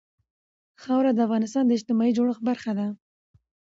خاوره د افغانستان د اجتماعي جوړښت برخه ده.